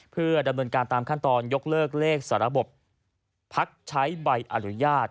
เพื่อดำเนินการตามขั้นตอนยกเลิกเลขสาระบบพักใช้ใบอนุญาต